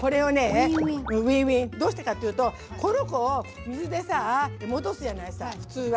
どうしてかっていうとこの子を水でさ戻すじゃないさ普通は。